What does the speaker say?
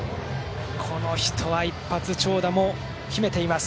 この人は一発長打も秘めています。